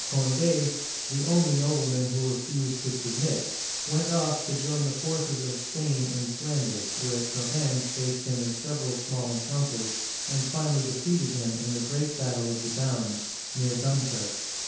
Cond6, the only nobleman who refused to submit, went off to join the forces of Spain in Flanders, where Turenne faced him in several small encounters, and finally defeated him in the great battle of the Downs (Dunes), near Dunkirk.